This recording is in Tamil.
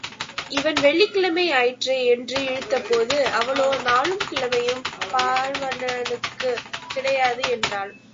இவன், வெள்ளிக்கிழமை ஆயிற்றே என்று இழுத்தபோது, அவளோ நாளும் கிழமையும் பால்வண்ணணுக்கு கிடையாது என்றாள்.